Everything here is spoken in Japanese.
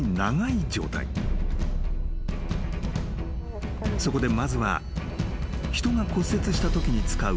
［そこでまずは人が骨折したときに使う］